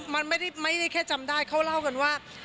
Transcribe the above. มันไม่ได้แค่จำได้เขาเล่ากันว่า